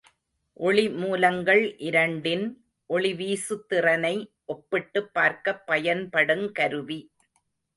ஒளிமூலங்கள் இரண்டின் ஒளி வீசுதிறனை ஒப்பிட்டுப் பார்க்கப் பயன்படுங் கருவி.